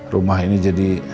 rumah ini jadi